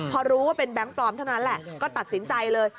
พอรู้ว่าเป็นแบงค์พลอมแทนั้นเรียก็ตัดสินใจเรื่อย